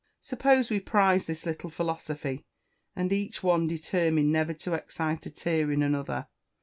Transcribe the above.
Suppose we prize this little philosophy, and each one determine never to excite a tear in another.